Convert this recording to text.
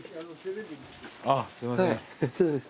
あっすいません。